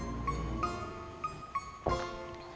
iya ibu puputnya kan baik mak apalagi sama anak anak